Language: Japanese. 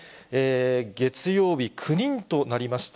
月曜日、９人となりました。